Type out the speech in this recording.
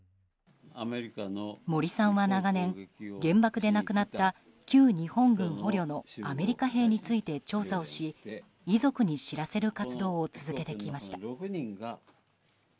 森さんは、長年原爆で亡くなった旧日本軍捕虜のアメリカ兵について調査をし遺族に知らせる活動を続けてきました。